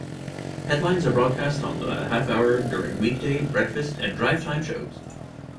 Headlines are broadcast on the half-hour during weekday breakfast and drivetime shows.